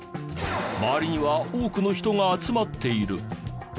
周りには多くの人が集まっている。